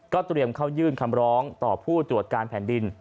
เตรียมเข้ายื่นคำร้องต่อผู้ตรวจการแผ่นดิน